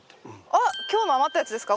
あっ今日の余ったやつですか？